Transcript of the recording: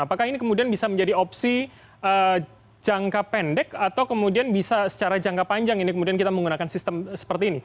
apakah ini kemudian bisa menjadi opsi jangka pendek atau kemudian bisa secara jangka panjang ini kemudian kita menggunakan sistem seperti ini